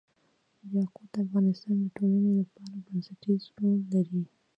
یاقوت د افغانستان د ټولنې لپاره بنسټيز رول لري.